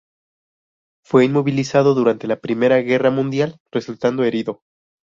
Fue movilizado durante la Primera Guerra Mundial, resultando herido.